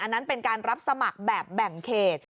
อันนั้นเป็นการรับสมัครแบบแบ่งเขต